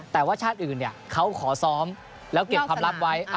แต่ว่าชาติอื่นเขาขอซ้อมแล้วเก็บความลับไว้